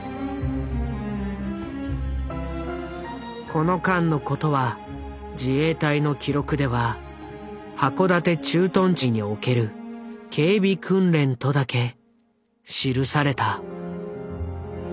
この間のことは自衛隊の記録では函館駐屯地における警備訓練とだけ記された。